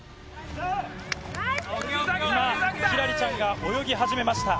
今、輝星ちゃんが泳ぎ始めました。